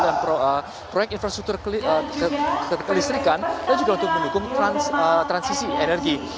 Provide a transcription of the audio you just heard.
dan proyek infrastruktur kelistrikan dan juga untuk mendukung transisi energi